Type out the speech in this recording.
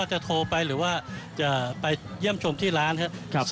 ว่าจะโทรไปหรือว่าจะไปเยี่ยมชมที่ร้านฮะ